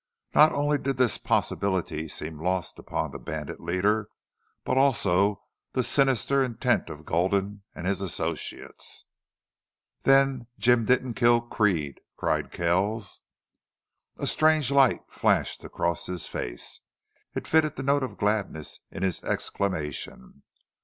Not only did this possibility seem lost upon the bandit leader, but also the sinister intent of Gulden and his associates. "Then Jim didn't kill Creede!" cried Kells. A strange light flashed across his face. It fitted the note of gladness in his exclamation.